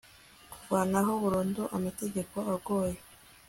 kuvanaho burundu amategeko agoye